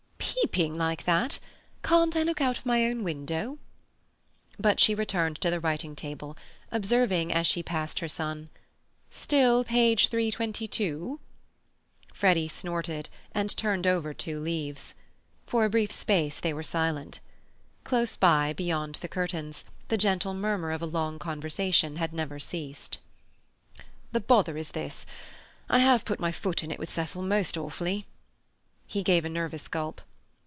"Peeping like that! Can't I look out of my own window?" But she returned to the writing table, observing, as she passed her son, "Still page 322?" Freddy snorted, and turned over two leaves. For a brief space they were silent. Close by, beyond the curtains, the gentle murmur of a long conversation had never ceased. "The bother is this: I have put my foot in it with Cecil most awfully." He gave a nervous gulp.